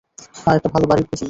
হ্যাঁ, একটা ভালো বাড়ি খুঁজুন।